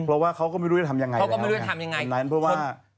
เพราะว่าเขาก็ไม่รู้ที่จะทำอย่างไงแหละครับ